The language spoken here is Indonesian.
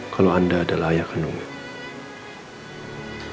kalau anda adalah ayah kendungnya